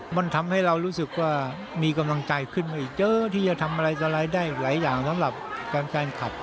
มันทำให้เรารู้สึกว่ามีกำลังใจขึ้นมาอีกเยอะที่จะทำอะไรต่อรายได้หลายอย่างสำหรับแฟนคลับ